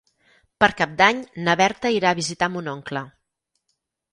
Per Cap d'Any na Berta irà a visitar mon oncle.